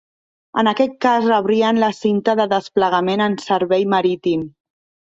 En aquest cas, rebrien la cinta de desplegament en servei marítim.